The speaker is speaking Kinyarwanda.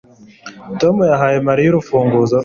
Tom yahaye Mariya urufunguzo rwe